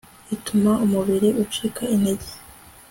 ituma umubiri ucika intege